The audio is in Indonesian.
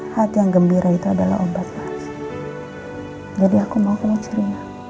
hati yang gembira itu adalah obat jadi aku mau ke negeri